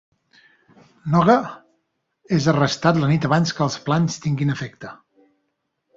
Noge és arrestat la nit abans que els plans tinguin efecte.